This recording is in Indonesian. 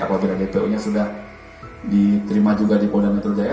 apabila dpu nya sudah diterima juga di polda ibturudiana